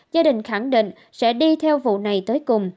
gia đình khẳng định sẽ đi theo vụ này tới cùng